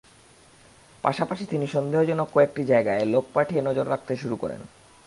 পাশাপাশি তিনি সন্দেহজনক কয়েকটি জায়গায় লোক পাঠিয়ে নজর রাখতে শুরু করেন।